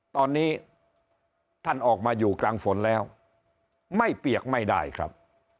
ตอนนี้ท่านออกมาอยู่กลางฝนแล้วไม่เปียกไม่ได้ครับ